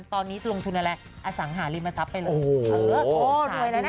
ตอนนี้ลงทุนอะไรอสังหาริมทรัพย์ไปเลย